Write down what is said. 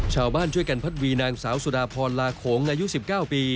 ชาวบ้านช่วยกันพัดวีนางสาวสุดาพรลาโขงอายุ๑๙ปี